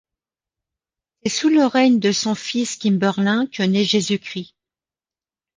C’est sous le règne de son fils Kimberlin que nait Jésus-Christ.